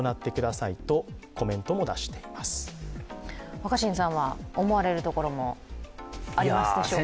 若新さんは思われるところもありますでしょうか？